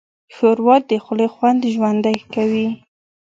ښوروا د خولې خوند ژوندی کوي.